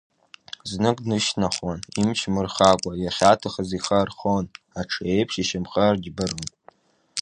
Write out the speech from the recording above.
Зных дышьҭнахуан, имч мырхакәа иахьаҭахыз ихы архон, аҽы еиԥш ишьамхы арџьбарон.